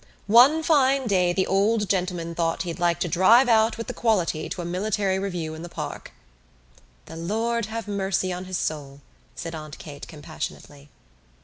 One fine day the old gentleman thought he'd like to drive out with the quality to a military review in the park." "The Lord have mercy on his soul," said Aunt Kate compassionately.